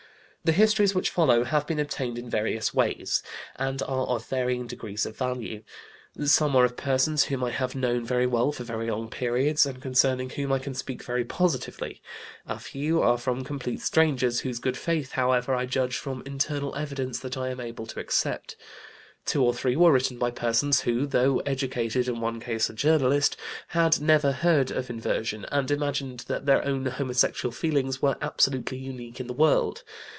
The histories which follow have been obtained in various ways, and are of varying degrees of value. Some are of persons whom I have known very well for very long periods, and concerning whom I can speak very positively. A few are from complete strangers whose good faith, however, I judge from internal evidence that I am able to accept. Two or three were written by persons who though educated, in one case a journalist had never heard of inversion, and imagined that their own homosexual feelings were absolutely unique in the world.